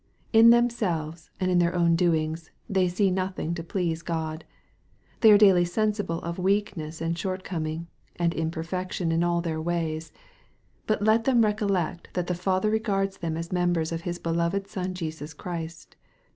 In themselves, and in their own doings, they see nothing to please God. They are daily sensible of weakness, shortcoming, and imperfection in all their ways. But let them recollect that the Father regards them as members of His beloved Son Jesus Christ.